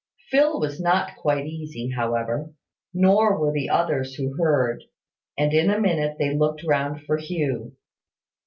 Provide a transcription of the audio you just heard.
Phil was not quite easy, however: nor were the others who heard; and in a minute they looked round for Hugh.